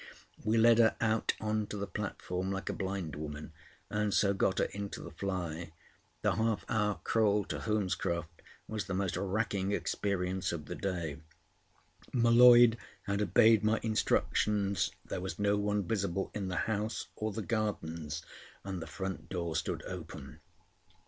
We led her out on to the platform like a blind woman, and so got her into the fly. The half hour crawl to Holmescroft was the most racking experience of the day. M'Leod had obeyed my instructions. There was no one visible in the house or the gardens; and the front door stood open.